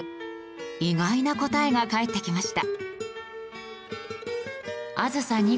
意外な答えが返ってきました。